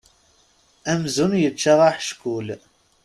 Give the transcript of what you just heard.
Amzun yečča aḥeckul.